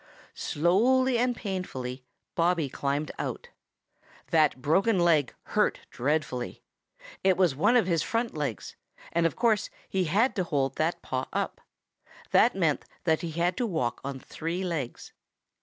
Slowly and painfully Bobby climbed out That broken leg hurt dreadfully. It was one of his front legs, and of course he had to hold that paw up. That meant that he had to walk on three legs.